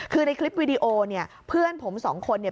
คือในคลิปวิดีโอเนี่ยเพื่อนผมสองคนเนี่ย